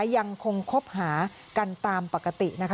ยังคงคบหากันตามปกติ